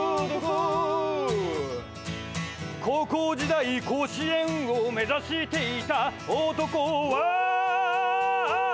「高校時代甲子園を目指していた男は」